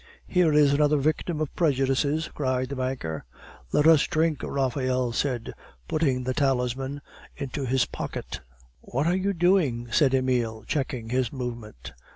"Here is another victim of prejudices!" cried the banker. "Let us drink!" Raphael said, putting the talisman into his pocket. "What are you doing?" said Emile, checking his movement.